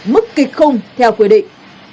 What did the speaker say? mức kịch không theo quy định